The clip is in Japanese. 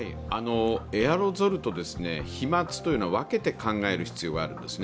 エアロゾルと、飛まつというのは分けて考える必要がある。